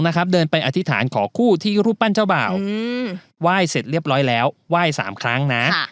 ๒นะครับเดินไปอธิษฐานขอคู่ที่รูปปั้นเจ้าบ่าวว่ายเสร็จเรียบร้อยแล้วว่าย๓ครั้งนะ